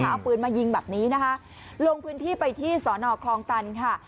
เอาปืนมายิงแบบนี้นะคะลงพื้นที่ไปที่สอนอคลองตันค่ะ